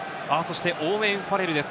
オーウェン・ファレルです。